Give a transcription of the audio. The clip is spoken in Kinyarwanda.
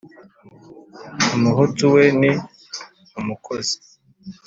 Umuhutu we ni umukozi .